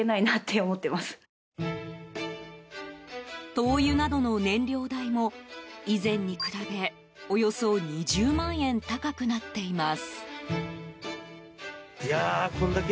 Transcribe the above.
灯油などの燃料代も以前に比べおよそ２０万円高くなっています。